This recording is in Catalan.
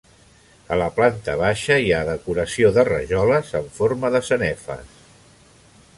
A la planta baixa hi ha decoració de rajoles en forma de sanefes.